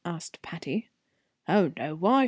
asked Patty. "Oh, no, wife.